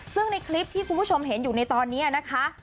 ซึ่งในคลิปที่คุณผู้ชมเห็นอยู่ในตอนนี้นะคะ